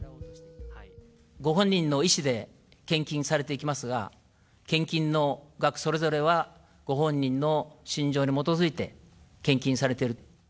ご本人の意思で献金されていきますが、献金の額それぞれはご本人の信条に基づいて献金されている。